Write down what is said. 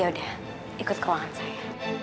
ya udah ikut keuangan saya